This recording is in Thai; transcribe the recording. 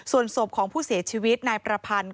ส่วนศพของผู้เสียชีวิตนายประพันธ์